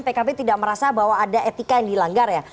pkb tidak merasa bahwa ada etika yang dilanggar ya